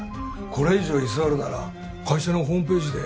「これ以上居座るなら会社のホームページで」